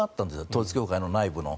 統一教会の内部の。